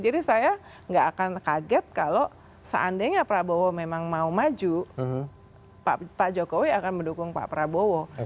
jadi saya nggak akan kaget kalau seandainya prabowo memang mau maju pak jokowi akan mendukung pak prabowo